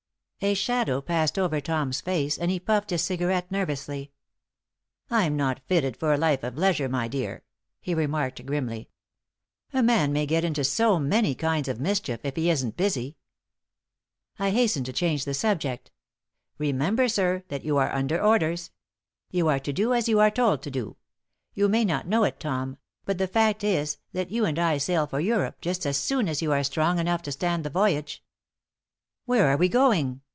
A shadow passed over Tom's face, and he puffed his cigarette nervously. "I'm not fitted for a life of leisure, my dear," he remarked, grimly. "A man may get into so many kinds of mischief if he isn't busy." I hastened to change the subject. "Remember, sir, that you are under orders. You are to do as you are told to do. You may not know it, Tom, but the fact is that you and I sail for Europe just as soon as you are strong enough to stand the voyage." "Where are we going?"